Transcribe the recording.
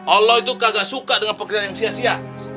allah itu kagak suka dengan pekerjaan yang sia sia